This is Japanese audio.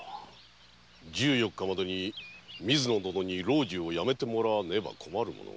十四日までに水野殿に老中を辞めてもらわねば困る者。